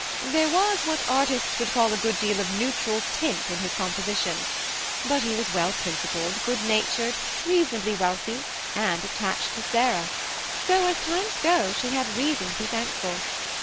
There was what artists would call a good deal of neutral tint in his composition ; but he was well principled, good natured, reasonably wealthy, and at tached to Sarah, so, as times go, she had reason to be thankful.